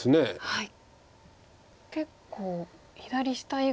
はい。